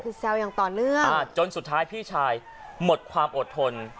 คือแซวอย่างต่อเนื่องอ่าจนสุดท้ายพี่ชายหมดความอดทน